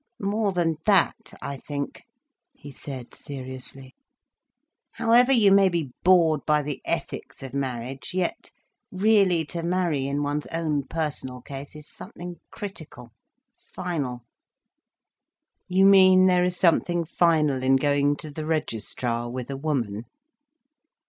"More than that, I think," he said seriously. "However you may be bored by the ethics of marriage, yet really to marry, in one's own personal case, is something critical, final—" "You mean there is something final in going to the registrar with a woman?"